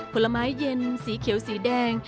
ผลไม้เย็นสีเขียวสีแดง